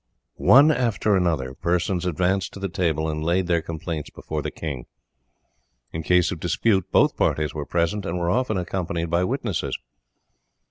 One after another, persons advanced to the table and laid their complaints before the king; in cases of dispute both parties were present and were often accompanied by witnesses.